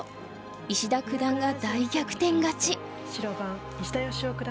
石田九段が大逆転勝ち。